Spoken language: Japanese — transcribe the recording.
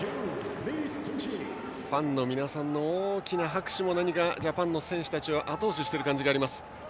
ファンの皆さんの大きな拍手も何かジャパンの選手たちをあと押ししている感じがある。